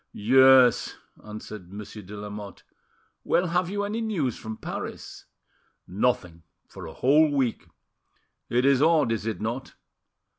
"Yes," answered Monsieur de Lamotte. "Well, have you any news from Paris?" "Nothing for a whole week: it is odd, is it not?"